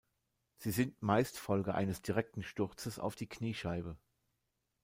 Sie sind meist Folge eines direkten Sturzes auf die Kniescheibe.